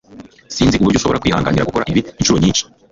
Sinzi uburyo ushobora kwihanganira gukora ibi inshuro nyinshi